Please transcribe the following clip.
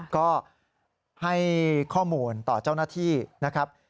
ก็ให้ข้อมูลต่อเจ้าหน้าที่นะครับ